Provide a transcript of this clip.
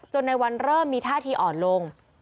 ในวันเริ่มมีท่าทีอ่อนลง